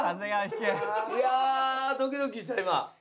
いやあドキドキした今。